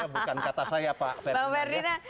bukan kata saya pak ferdinand